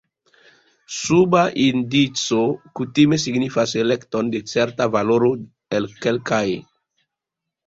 Suba indico kutime signifas elekton de certa valoro el kelkaj.